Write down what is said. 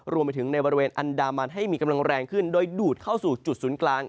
รวมไปถึงในบริเวณอันดามันให้มีกำลังแรงขึ้นโดยดูดเข้าสู่จุดศูนย์กลาง